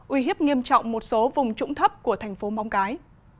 uy hiếp nghiêm trọng một số vùng trũng thấp của thành phố móng cái